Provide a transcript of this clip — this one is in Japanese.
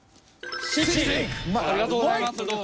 ありがとうございますどうも。